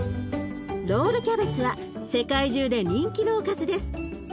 ロールキャベツは世界中で人気のおかずです。